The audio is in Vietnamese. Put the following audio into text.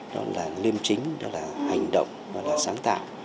đó là liêm chính đó là hành động đó là sáng tạo